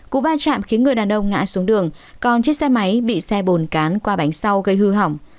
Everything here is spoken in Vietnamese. cú va chạm khiến người đàn ông ngã xuống đường còn chiếc xe máy bị xe bồn cán qua bánh sau gây hư hỏng